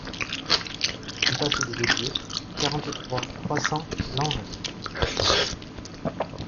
Impasse des Olliers, quarante-trois, trois cents Langeac